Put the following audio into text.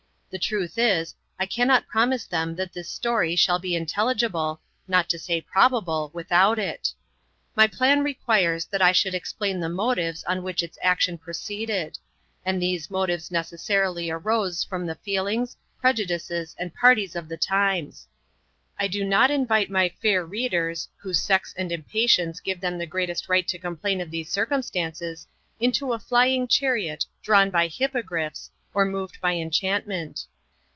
The truth is, I cannot promise them that this story shall be intelligible, not to say probable, without it. My plan requires that I should explain the motives on which its action proceeded; and these motives necessarily arose from the feelings, prejudices, and parties of the times. I do not invite my fair readers, whose sex and impatience give them the greatest right to complain of these circumstances, into a flying chariot drawn by hippogriffs, or moved by enchantment.